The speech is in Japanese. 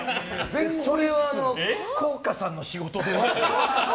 それは効果さんの仕事では？と。